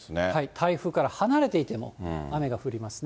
台風から離れていても、雨が降りますね。